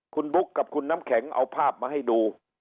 คุณบุ๊คกับคุณน้ำแข็งเอาภาพมาให้ดู